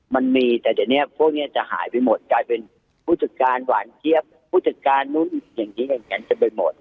มันมีแต่เดี๋ยวนี้พวกนี้จะหายไปหมดกลายเป็นผู้จัดการหวานเจี๊ยบผู้จัดการนู้นอย่างนี้อย่างนั้นเต็มไปหมด